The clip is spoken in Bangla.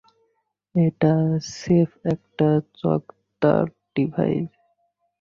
এটা স্রেফ একটা চটকদার ডিভাইস।